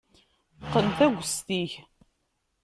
Qqen taggest-ik.